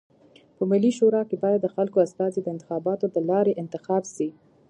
په ملي شورا کي بايد د خلکو استازي د انتخاباتو د لاري انتخاب سی.